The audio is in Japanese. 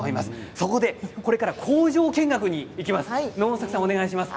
そこで、これから工場見学に行きます。